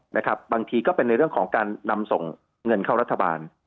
บางทีก็เป็นในเรื่องของการนำส่งเงินเข้ารัฐบาล